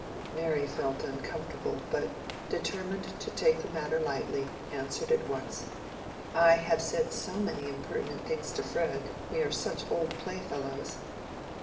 Mary felt uncomfortable, but, determined to take the matter lightly, answered at once, "I have said so many impertinent things to Fred—we are such old playfellows."